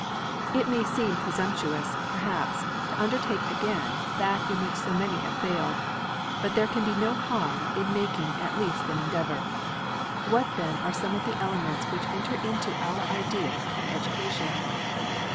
It may seem presumptuous, perhaps, to undertake again that in which so many have failed. But there can be no harm in making at least an endeavor. What then are some of the elements which enter into our idea of education?